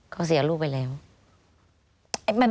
เขาเสียลูกไปแล้ว